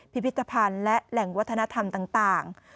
พิพิธภัณฑ์และแหล่งวัฒนธรรมต่าง